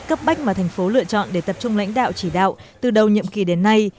cấp bách mà thành phố lựa chọn để tập trung lãnh đạo chỉ đạo từ đầu nhiệm kỳ đến nay